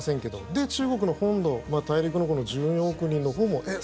で、中国の本土大陸の１４億人のほうもえっ？